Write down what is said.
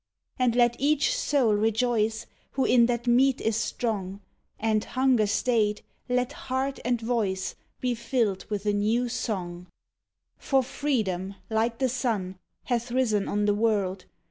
VI And let each soul rejoice, Who in that meat is strong; And, hunger stayed, let heart and voice Be filled with a new song. VII For Freedom like the sun Hath risen on the world!